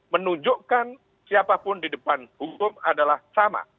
menunjukkan siapapun di depan hukum adalah sama